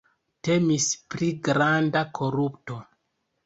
Temis pri granda korupto.